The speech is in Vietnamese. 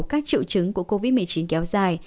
các triệu chứng của covid một mươi chín kéo dài